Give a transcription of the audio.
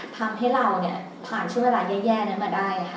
ทำให้เราผ่านเชื่อราญแย่มาได้ค่ะ